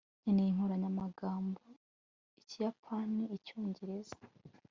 nkeneye inkoranyamagambo y'ikiyapani-icyongereza